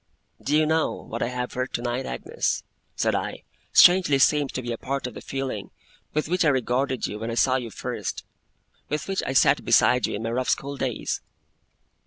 'Do you know, what I have heard tonight, Agnes,' said I, strangely seems to be a part of the feeling with which I regarded you when I saw you first with which I sat beside you in my rough school days?